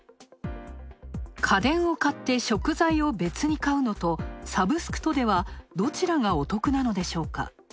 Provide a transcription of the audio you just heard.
家電を買って食材を別に買うのと、サブスクとでは、どちらがお得なんでしょうか。